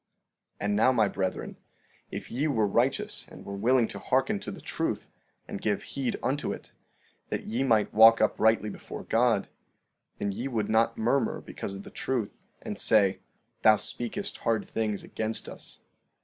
16:3 And now my brethren, if ye were righteous and were willing to hearken to the truth, and give heed unto it, that ye might walk uprightly before God, then ye would not murmur because of the truth, and say: Thou speakest hard things against us.